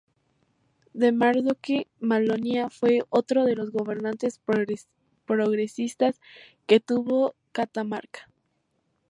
D. Mardoqueo Molina fue otro de los gobernantes progresistas que tuvo Catamarca.